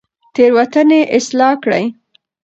تېروتنې اصلاح کړئ.